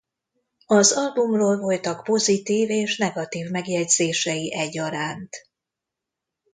Az albumról voltak pozitív és negatív megjegyzései egyaránt.